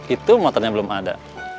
itu motornya belum ada